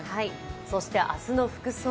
そして明日の服装。